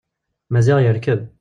Maziɣ yerkeb.